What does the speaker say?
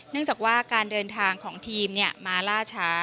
จากว่าการเดินทางของทีมมาล่าช้า